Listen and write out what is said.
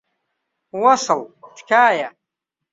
وەسڵ، تکایە.